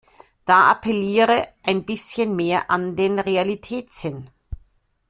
Da appelliere einen bisschen mehr an den Realitätssinn.